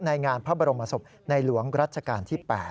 งานพระบรมศพในหลวงรัชกาลที่๘